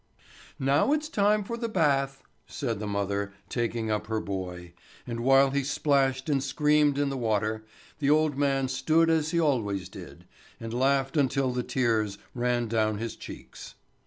"Now it's time for the bath," said the mother, taking up her boy, and while he splashed and screamed in the water, the old man stood as he always did, and laughed until the tears ran down his cheeks.